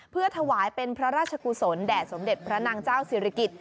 เพื่อถวายเป็นพระราชกุศลแด่สมเด็จพระนางเจ้าศิริกิจ